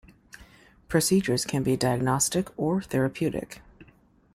Procedures can be diagnostic or therapeutic.